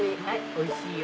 おいしいよ。